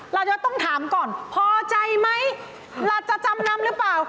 เราจะต้องถามก่อนพอใจไหมเราจะจำนำหรือเปล่า